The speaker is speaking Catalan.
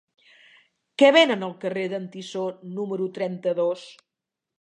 Què venen al carrer d'en Tissó número trenta-dos?